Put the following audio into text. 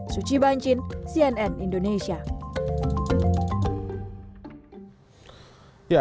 suci banci cnn indonesia